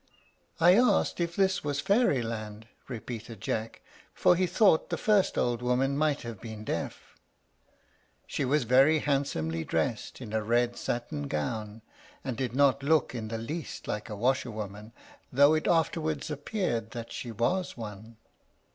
"I asked if this was Fairyland?" repeated Jack, for he thought the first old woman might have been deaf. She was very handsomely dressed in a red satin gown, and did not look in the least like a washer woman, though it afterwards appeared that she was one.